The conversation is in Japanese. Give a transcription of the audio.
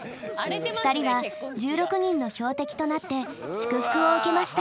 ２人は１６人の標的となって祝福を受けました。